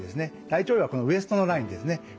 大腸兪はこのウエストのラインですね。